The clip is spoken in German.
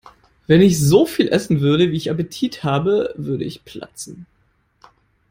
Wenn ich so viel essen würde, wie ich Appetit habe, würde ich platzen.